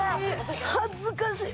恥ずかしい